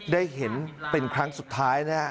ได้เห็นเป็นครั้งสุดท้ายนะฮะ